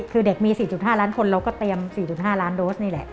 คือเด็กมี๔๕ล้านคนเราก็เตรียม๔๕ล้านโดสนี่แหละ